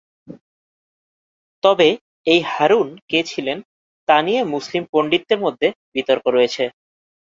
তবে, এই "হারুন" কে ছিলেন, তা নিয়ে মুসলিম পণ্ডিতদের মধ্যে বিতর্ক রয়েছে।